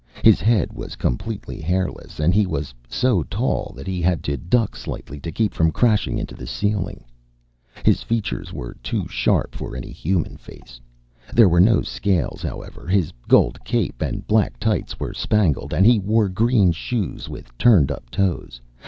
His head was completely hairless, and he was so tall that he had to duck slightly to keep from crashing into the ceiling. His features were too sharp for any human face. There were no scales, however; his gold cape and black tights were spangled, and he wore green shoes with turned up toes.